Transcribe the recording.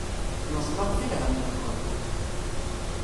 Neẓmemt i lhem-nkent.